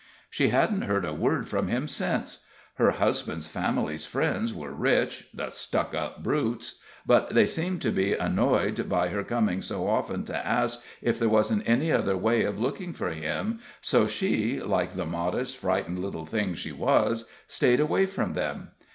She hadn't heard a word from him since. Her husband's family's friends were rich the stuck up brutes! but they seemed to be annoyed by her coming so often to ask if there wasn't any other way of looking for him, so she, like the modest, frightened little thing she was, staid away from them.